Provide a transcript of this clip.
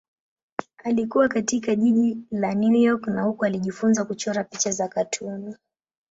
Alikua katika jiji la New York na huko alijifunza kuchora picha za katuni.